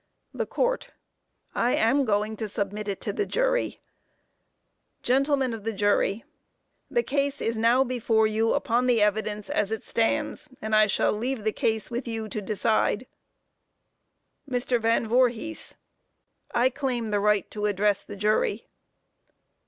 THE COURT: I am going to submit it to the jury. Gentlemen of the Jury: This case is now before you upon the evidence as it stands, and I shall leave the case with you to decide MR. VAN VOORHIS: I claim the right to address the jury.